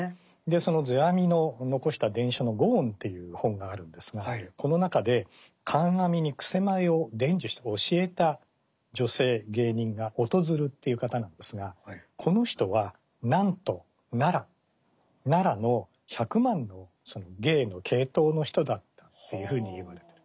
その世阿弥の残した伝書の「五音」という本があるんですがこの中で観阿弥に曲舞を伝授した教えた女性芸人が乙鶴っていう方なんですがこの人は南都奈良奈良の百万の芸の系統の人だったというふうにいわれてる。